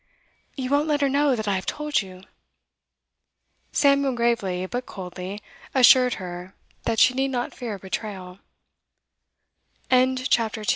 'You won't let her know that I have told you?' Samuel gravely, but coldly, assured her that she need not fear betra